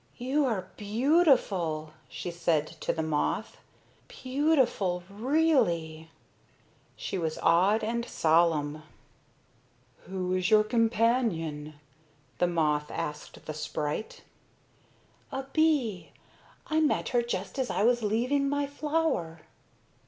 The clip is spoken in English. "You are beautiful," she said to the moth, "beautiful, really." She was awed and solemn. "Who is your companion?" the moth asked the sprite. "A bee. I met her just as I was leaving my flower."